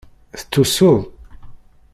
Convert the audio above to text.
Tettusuḍ?